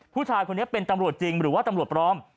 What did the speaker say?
ผู้ชายคนนี้เป็นตำรวจจริงหรือว่าตำรวจปลอม